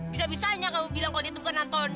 bisa bisanya kamu bilang kalau dia tuh bukan anthony